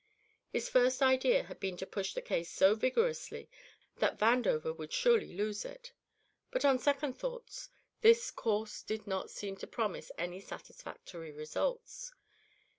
His first idea had been to push the case so vigorously that Vandover would surely lose it. But on second thought this course did not seem to promise any satisfactory results.